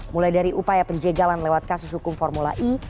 mulai dari upaya penjagalan lewat kasus hukum formula e